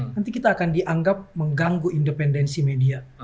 nanti kita akan dianggap mengganggu independensi media